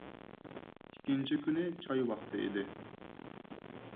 ئىككىنچى كۈنى چاي ۋاقتى ئىدى.